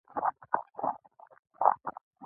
هغـې چـې ټـول عـمر يـې